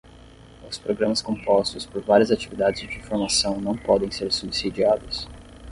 Os programas compostos por várias atividades de formação não podem ser subsidiados.